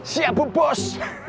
siap bu bos